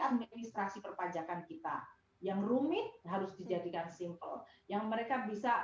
administrasi perpajakan kita yang rumit harus dijadikan simpel yang mereka bisa